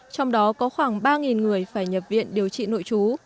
trong đó có khoảng ba người phải nhập viện điều trị nội trú